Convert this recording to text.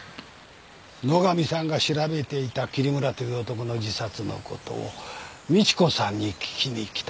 野上さんが調べていた桐村という男の自殺のことを美知子さんに聞きに来た。